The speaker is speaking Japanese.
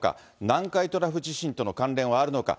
南海トラフ地震との関連はあるのか。